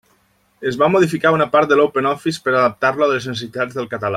Es va modificar una part de l'OpenOffice per adaptar-lo a les necessitats del català.